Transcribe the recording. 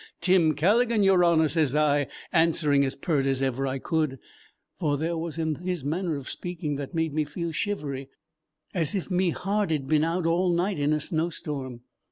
'Tim Calligan, your honor,' sez I, answering as pert as ever I could; for there was that in his manner of speaking that made me feel shivery, as if me heart'd been out all night in a snowstorm.